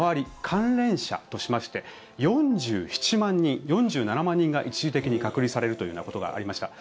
関連者としまして４７万人が一時的に隔離されるというようなことがありました。